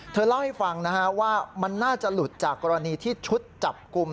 เธอเล่าให้ฟังนะฮะว่ามันน่าจะหลุดจากกรณีที่ชุดจับกลุ่ม